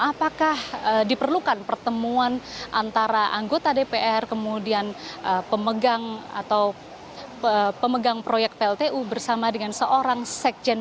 apakah diperlukan pertemuan antara anggota dpr kemudian pemegang atau pemegang proyek pltu bersama dengan seorang sekjen